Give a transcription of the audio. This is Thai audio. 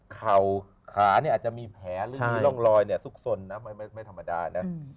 เข่าขาเนี่ยอาจจะมีแผลหรือมีร่องรอยซุกสนนะไม่ธรรมดานะ